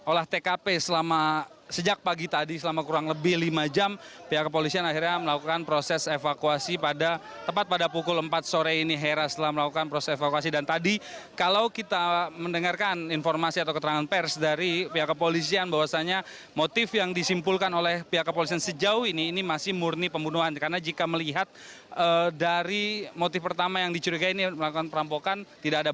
setelah melakukan proses olah tkp selama sejak pagi tadi selama kurang lebih lima jam pihak kepolisian akhirnya melakukan proses evakuasi pada tepat pada pukul empat sore ini hera setelah melakukan proses evakuasi dan tadi kalau kita mendengarkan informasi atau keterangan pers dari pihak kepolisian bahwasannya motif yang disimpulkan oleh pihak kepolisian sejauh ini ini masih murni pembunuhan karena jika melihat dari motif pertama yang dicurigai ini melakukan perampokan tidak ada barang